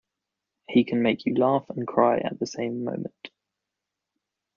He can make you laugh and cry at the same moment.